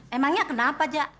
emangnya kenapa jak